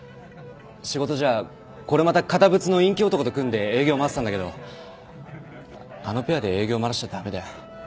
仕事じゃこれまた堅物の陰気男と組んで営業回ってたんだけどあのペアで営業回らせちゃ駄目だよ。